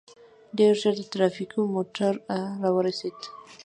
ډېر ژر د ټرافيکو موټر راورسېد.